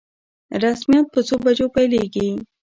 رسميات په څو بجو پیلیږي؟